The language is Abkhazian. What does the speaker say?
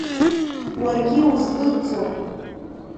Уаргьы иуздырӡом.